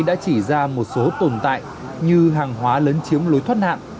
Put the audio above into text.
đã chỉ ra một số tồn tại như hàng hóa lấn chiếm lối thoát nạn